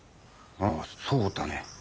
ああそうだね。